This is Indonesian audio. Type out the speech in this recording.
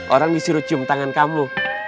orang disuruh cium tangan kamu